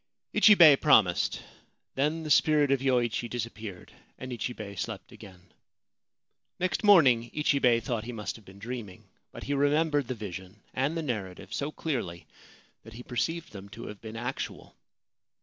Ichibei promised. Then the spirit of Yoichi dis appeared, and Ichibei slept again. Next morning Ichibei thought he must have been dreaming ; but he remembered the vision and the narrative so clearly that he perceived them to have been actual.